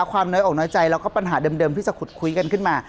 ความน้อยอกน้อยใจแล้วก็ปัญหาเดิมที่จะขุดคุยกันขึ้นมา